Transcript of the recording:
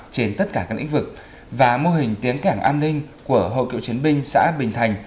trên tất cả các lĩnh vực và mô hình tiếng cảng an ninh của hội cựu chiến binh xã bình thành